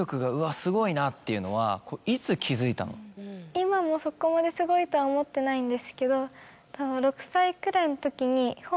今もそこまですごいとは思ってないんですけど。